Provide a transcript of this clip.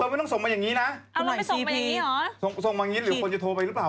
เบิร์มไม่ต้องส่งมาอย่างงี้นะส่งมาอย่างงี้หรือทุกคนจะโทรไปหรือเปล่า